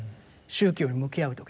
宗教に向き合う時に。